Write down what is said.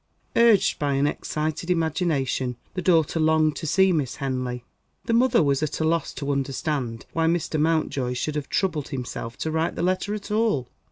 Urged by an excited imagination, the daughter longed to see Miss Henley. The mother was at a loss to understand why Mr. Mountjoy should have troubled himself to write the letter at all.